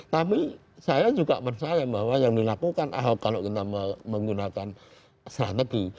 tapi saya juga percaya bahwa yang dilakukan ahok kalau kita menggunakan strategi